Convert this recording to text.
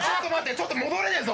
ちょっと戻れねぇぞ！